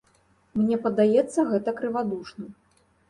Мне падаецца гэта крывадушным.